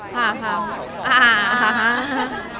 มีกวาย